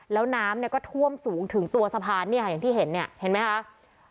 แล้วน้ำเนี่ยก็ท่วมสูงถึงตัวสะพานเนี่ยค่ะอย่างที่เห็นเนี่ยเห็นไหมคะ